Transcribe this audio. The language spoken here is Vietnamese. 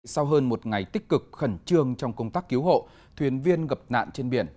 sau hơn một ngày tích cực khẩn trương trong công tác cứu hộ thuyền viên gặp nạn trên biển